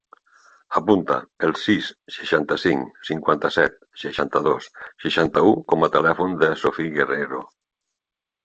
Apunta el sis, seixanta-cinc, cinquanta-set, seixanta-dos, seixanta-u com a telèfon de la Sophie Guerreiro.